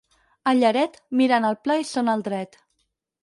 A Lleret, miren el pla i són al dret.